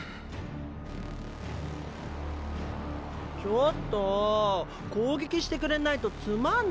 ちょっと攻撃してくれないとつまんないよ。